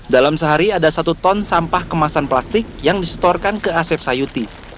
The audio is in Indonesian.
dalam sehari ada satu ton sampah kemasan plastik yang disetorkan ke asep sayuti